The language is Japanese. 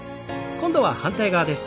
今度は反対側です。